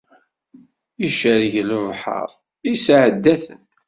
Icerreg lebḥer, isɛedda-ten.